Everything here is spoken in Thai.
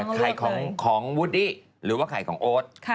ไข่ของวูดดี้หรือว่าไข่ของโอ๊ต